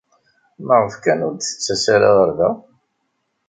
Maɣef kan ur d-tettas ara ɣer da?